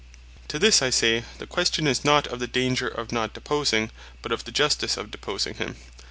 To this I say, the question is not of the danger of not deposing; but of the Justice of deposing him.